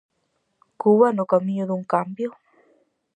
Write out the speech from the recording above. Cuba no camiño dun cambio?